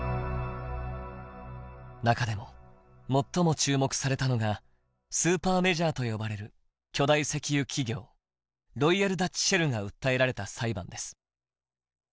中でも最も注目されたのがスーパーメジャーと呼ばれる巨大石油企業「ロイヤル・ダッチ・シェル」が訴えられた裁判です。